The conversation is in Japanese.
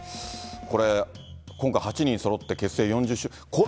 これ、今回８人そろって結成４０周年。